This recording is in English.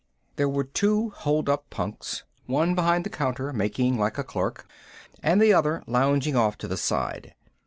There were two holdup punks, one behind the counter making like a clerk and the other lounging off to the side.